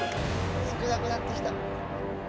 少なくなってきた。